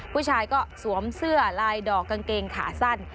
ผู้ชายก็สวมเสื้อลายดอกกางเกงขาสั้น